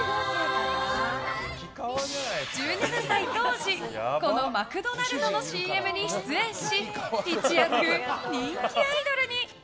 １７歳当時このマクドナルドのＣＭに出演し一躍、人気アイドルに。